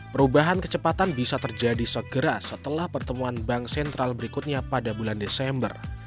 perubahan kecepatan bisa terjadi segera setelah pertemuan bank sentral berikutnya pada bulan desember